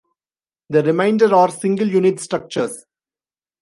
The remainder are single-unit structures.